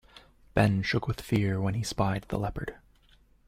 Ben shook with fear when he spied the leopard.